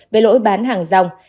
về lỗi bán hàng rong